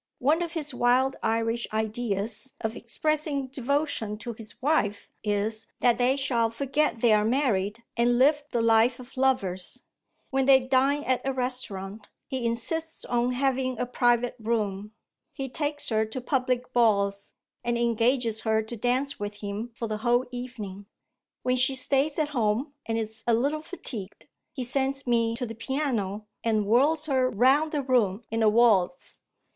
One of his wild Irish ideas of expressing devotion to his wife is, that they shall forget they are married, and live the life of lovers. When they dine at a restaurant, he insists on having a private room. He takes her to public balls, and engages her to dance with him for the whole evening. When she stays at home and is a little fatigued, he sends me to the piano, and whirls her round the room in a waltz.